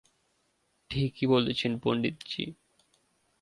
ঠিকই বলেছেন, পন্ডিতজি।